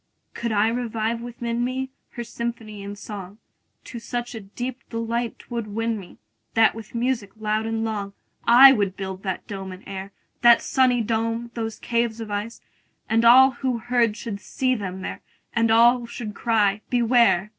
Could I revive within me, Her symphony and song, To such a deep delight 'twould win me, That with music loud and long, 45 I would build that dome in air, That sunny dome! those caves of ice! And all who heard should see them there, And all should cry, Beware!